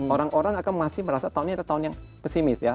orang orang akan masih merasa tahun ini adalah tahun yang pesimis ya